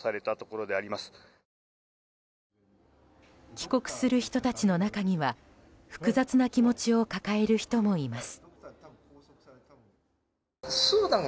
帰国する人たちの中には複雑な気持ちを抱える人もいます。